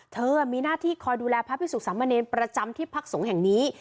เธอมีหน้าที่คอยดูแลพระพิสุขสามเณรประจำที่พักสงฆ์แห่งนี้